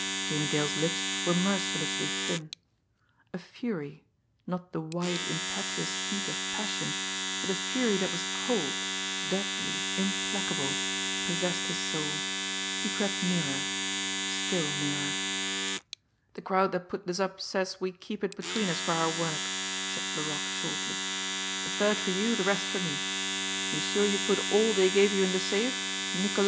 Jimmie Dale's lips were mercilessly thin; a fury, not the white, impetuous heat of passion, but a fury that was cold, deadly, implacable, possessed his soul. He crept nearer still nearer. "The crowd that put this up says we keep it between us for our work," said Laroque shortly. "A third for you, the rest for me. You sure you put all they gave you in the safe Niccolo?"